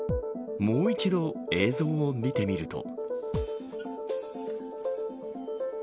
もう一度映像を見てみると。